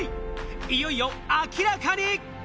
いよいよ明らかに！